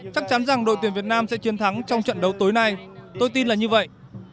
chắc chắn rằng đội tuyển việt nam sẽ chiến thắng trong trận đấu tối nay tôi tin là như vậy